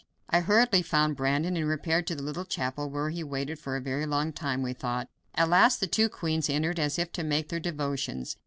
I hurriedly found Brandon and repaired to the little chapel, where we waited for a very long time, we thought. At last the two queens entered as if to make their devotions.